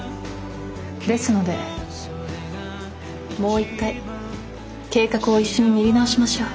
ですのでもう一回計画を一緒に練り直しましょう。